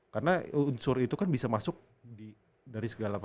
karena unsur itu kan bisa masuk dari segala apa